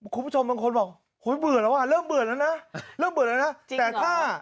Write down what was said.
คุณผู้ชมบางคนบอกโหยเบื่อแล้วเริ่มเบื่อแล้วนะ